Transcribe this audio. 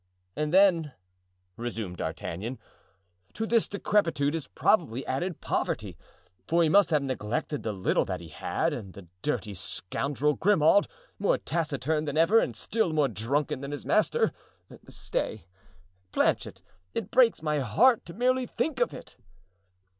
"And then," resumed D'Artagnan, "to this decrepitude is probably added poverty, for he must have neglected the little that he had, and the dirty scoundrel, Grimaud, more taciturn than ever and still more drunken than his master—stay, Planchet, it breaks my heart to merely think of it."